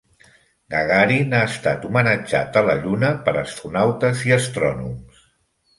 Gagarin ha estat homenatjat en la Lluna per astronautes i astrònoms.